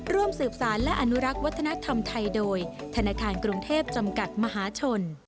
ร่วมสืบสารและอนุรักษ์วัฒนธรรมไทยโดยธนาคารกรุงเทพจำกัดมหาชน